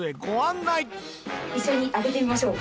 一緒に上げてみましょう。